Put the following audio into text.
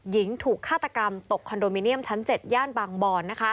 หญิงถูกฆาตกรรมตกคอนโดมิเนียมชั้น๗ย่านบางบอน